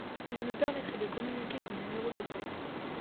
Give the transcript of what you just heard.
Je me permettrai de communiquer son numéro de compte.